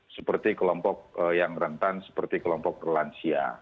seperti kelompok yang rentan seperti kelompok lansia